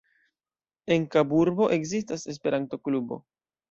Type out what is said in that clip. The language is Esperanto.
En Kaburbo ekzistas Esperanto-klubo.